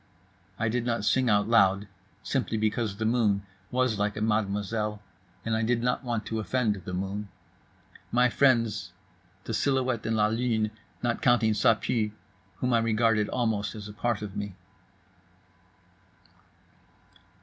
I did not sing out loud, simply because the moon was like a mademoiselle, and I did not want to offend the moon. My friends: the silhouette and la lune, not counting Ça Pue, whom I regarded almost as a part of me.